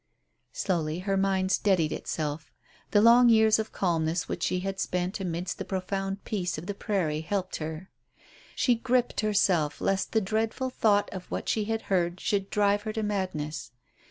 Slowly her mind steadied itself; the long years of calmness which she had spent amidst the profound peace of the prairie helped her. She gripped herself lest the dreadful thought of what she had heard should drive her to madness.